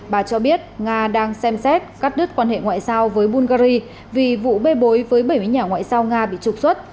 bà cho biết nga đang xem xét cắt đứt quan hệ ngoại giao với bulgari vì vụ bê bối với bảy mươi nhà ngoại giao nga bị trục xuất